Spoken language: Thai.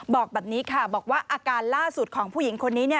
บอกแบบนี้ค่ะบอกว่าอาการล่าสุดของผู้หญิงคนนี้